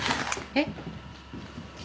えっ？